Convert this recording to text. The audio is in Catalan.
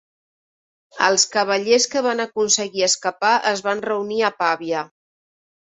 Els cavallers que van aconseguir escapar es van reunir a Pavia.